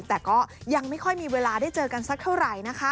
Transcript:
แต่ก็ยังไม่ค่อยมีเวลาได้เจอกันสักเท่าไหร่นะคะ